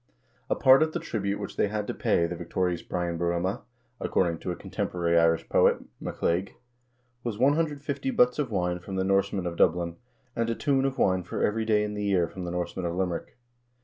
A part of the tribute which they had to pay the victorious Brian Bo rumha, according to a contemporary Irish poet, Mac Liag, was 150 butts of wine from the Norsemen of Dublin, and a tun of wine for every day in the year from the Norsemen of Limerick.